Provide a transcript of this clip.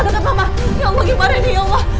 ya allah gimana ini ya allah